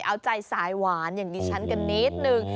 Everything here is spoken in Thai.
เอาใจสายหวานอย่างดิฉันกันนิดนึง